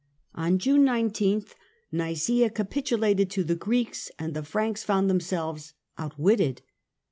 On June 19th Nica?a capitulated to the Greeks, and the Franks found themselves outwitted.